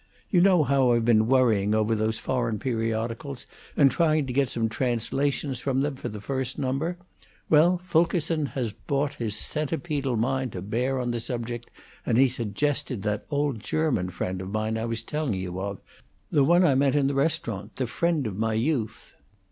You know how I've been worrying over those foreign periodicals, and trying to get some translations from them for the first number? Well, Fulkerson has brought his centipedal mind to bear on the subject, and he's suggested that old German friend of mine I was telling you of the one I met in the restaurant the friend of my youth."